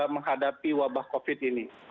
menghadapi wabah covid ini